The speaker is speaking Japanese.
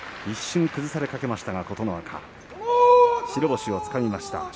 一瞬崩れかけましたが琴ノ若白星をつかみました。